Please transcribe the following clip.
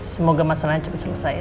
semoga masalahnya cepat selesai